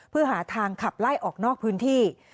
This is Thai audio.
เพื่อหาทางขับไล่ออกนอกพื้นที่